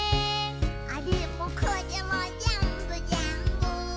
「あれもこれもぜんぶぜんぶ」